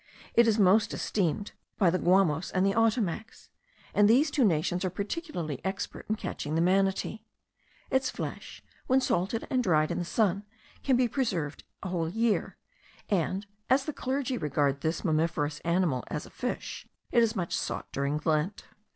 It is most esteemed by the Guamos and the Ottomacs; and these two nations are particularly expert in catching the manatee. Its flesh, when salted and dried in the sun, can be preserved a whole year; and, as the clergy regard this mammiferous animal as a fish, it is much sought during Lent.